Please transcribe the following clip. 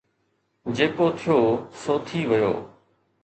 جيڪو ٿيو سو ٿي ويو